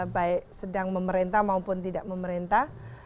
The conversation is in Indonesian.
baik sedang memerintah maupun tidak memerintah